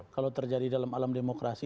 kalau terjadi dalam alam demokrasi